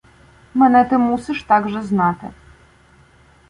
Мене ти мусиш также знати: